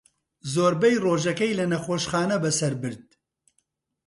زۆربەی ڕۆژەکەی لە نەخۆشخانە بەسەر برد.